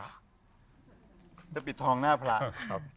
ปิดทองหน้าพระครับ